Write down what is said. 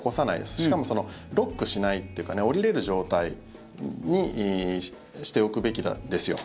しかも、ロックしないっていうか降りれる状態にしておくべきですよ。